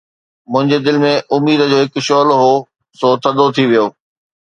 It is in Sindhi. منهنجي دل ۾ اميد جو هڪ شعلو هو، سو ٿڌو ٿي ويو